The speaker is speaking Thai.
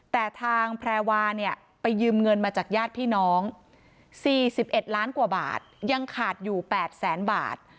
แต่ทางแพรวาเนี่ยไปยืมเงินมาจากญาติพี่น้อง๔๑ล้านกว่าบาทยังขาดอยู่๘แสนบาท